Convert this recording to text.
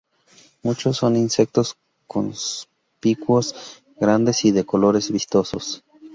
Muchos son insectos conspicuos, grandes y de colores vistosos.